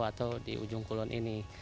atau di ujung kulon ini